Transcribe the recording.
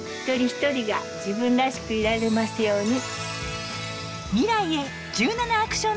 一人一人が自分らしくいられますように。